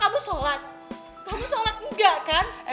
kamu sholat enggak kan